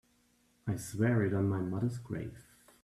I swear it on my mother's grave.